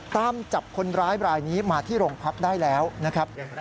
ตามจับคนร้ายบรายนี้มาที่โรงพักได้แล้วนะครับ